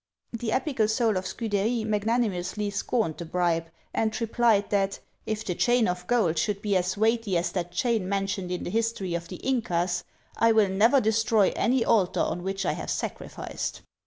The epical soul of Scudery magnanimously scorned the bribe, and replied, that "If the chain of gold should be as weighty as that chain mentioned in the history of the Incas, I will never destroy any altar on which I have sacrificed!"